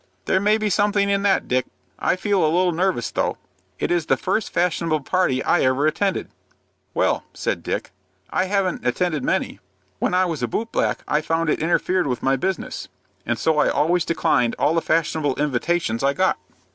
"There may be something in that, Dick. I feel a little nervous though. It is the first fashionable party I ever attended." "Well," said Dick, "I haven't attended many. When I was a boot black I found it interfered with my business, and so I always declined all the fashionable invitations I got."